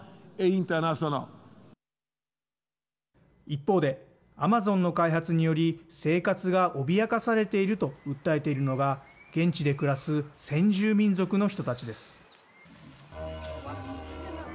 一方で、アマゾンの開発により生活が脅かされていると訴えているのが現地で暮らす先住民族の人たちです。